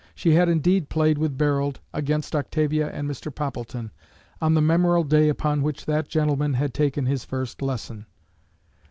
She had indeed played with Barold, against Octavia and Mr. Poppleton, on the memorable day upon which that gentleman had taken his first lesson.